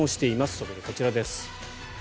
そこでこちらです。